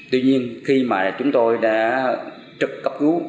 tuy nhiên khi mà chúng tôi đã trực cấp cứu